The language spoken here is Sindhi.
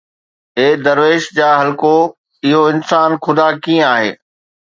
اي درويش جا حلقو، اهو انسان خدا ڪيئن آهي؟